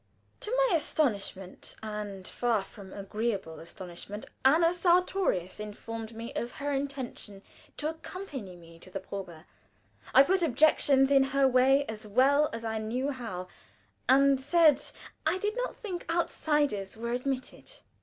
To my astonishment and far from agreeable astonishment Anna Sartorius informed me of her intention to accompany me to the probe. I put objections in her way as well as I knew how, and said I did not think outsiders were admitted.